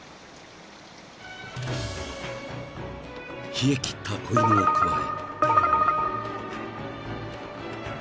［冷えきった子犬をくわえ］